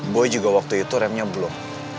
boy juga waktu itu remnya belum